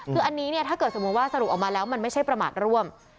คืออันนี้เนี่ยถ้าเกิดสมมุติว่าสรุปออกมาแล้วมันไม่ใช่ประมาทร่วม